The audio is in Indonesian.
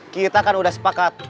kita kan udah sepakat